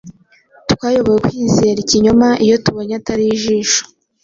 Twayobowe Kwizera Ikinyoma Iyo tubonye atari Ijisho